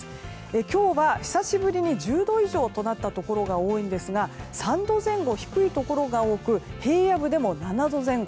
今日は久しぶりに１０度以上となったところが多いんですが３度前後低いところが多く平野部でも７度前後。